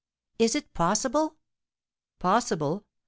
"Is it possible?" "Possible!